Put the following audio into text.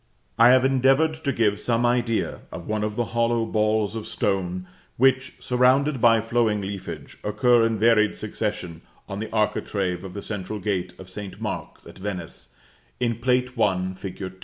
I have endeavored to give some idea of one of the hollow balls of stone which, surrounded by flowing leafage, occur in varied succession on the architrave of the central gate of St. Mark's at Venice, in Plate I. fig.